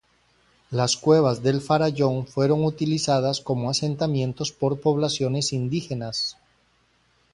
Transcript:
Las cuevas del farallón fueron utilizadas como asentamientos por poblaciones indígenas.